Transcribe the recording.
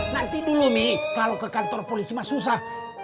nanti dulu nih kalau ke kantor polisi mah susah